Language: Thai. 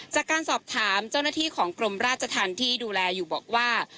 จากการสอบถามเจ้าหน้าที่ของกรมราชธรรมที่ดูแลอยู่บอกว่า